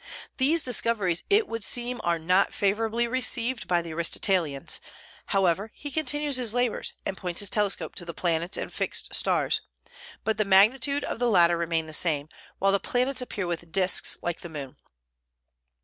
These discoveries, it would seem, are not favorably received by the Aristotelians; however, he continues his labors, and points his telescope to the planets and fixed stars, but the magnitude of the latter remain the same, while the planets appear with disks like the moon.